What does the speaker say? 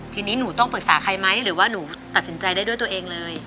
ทีนี้หนูต้องปรึกษาใครไหมหรือว่าหนูตัดสินใจได้ด้วยตัวเองเลย